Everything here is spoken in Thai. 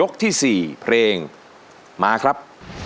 ขอให้ผ่านยกที่๔เพลงมาครับ